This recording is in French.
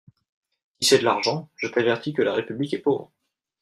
Si c'est de l'argent, je t'avertis que la République est pauvre.